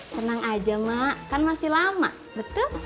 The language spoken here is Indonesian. senang aja mak kan masih lama betul